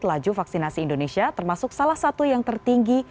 laju vaksinasi indonesia termasuk salah satu yang tertinggi